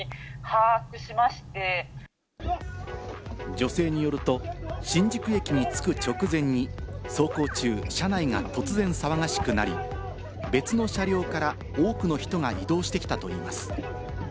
女性によると、新宿駅に着く直前に走行中、車内が突然騒がしくなり、別の車両から多くの人が移動してきたといいます。